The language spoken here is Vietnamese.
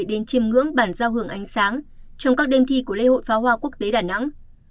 đến chiêm ngưỡng bản giao hưởng ánh sáng trong các đêm thi của lễ hội pháo hoa quốc tế đà nẵng